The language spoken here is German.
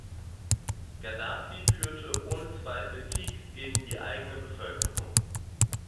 Gaddafi führe ohne Zweifel Krieg gegen die eigene Bevölkerung.